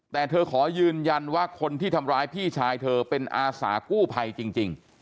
แต่เธอขอยืนยันว่าคนที่ทำร้ายพี่ชายเธอเป็นอาสากู้ภัยจริง